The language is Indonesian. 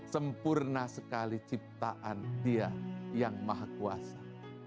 sempurna sekali ciptaan dia yang maha kuasa